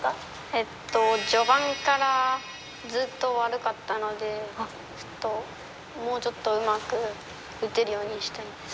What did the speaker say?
えっと序盤からずっと悪かったのでもうちょっとうまく打てるようにしたいです。